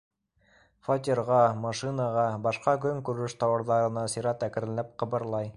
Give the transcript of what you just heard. Фатирға, машинаға, башҡа көнкүреш тауарҙарына сират әкренләп ҡыбырлай.